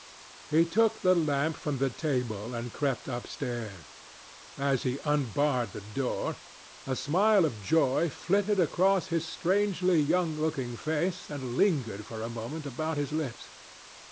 He took the lamp from the table and crept upstairs. As he unbarred the door, a smile of joy flitted across his strangely young looking face and lingered for a moment about his lips.